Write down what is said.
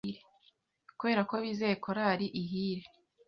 Kuberako bizeye korari ihire